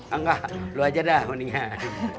enggak lu aja dah mendingan